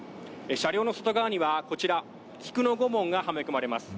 車両の外側にはこちら菊の御紋がはめ込まれます